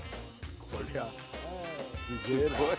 こりゃすげぇな。